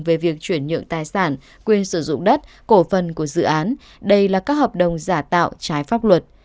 về việc chuyển nhượng tài sản quyền sử dụng đất cổ phần của dự án đây là các hợp đồng giả tạo trái pháp luật